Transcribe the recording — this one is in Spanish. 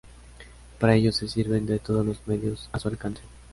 Para ello se sirven de todos los medios a su alcance.